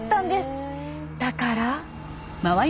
だから。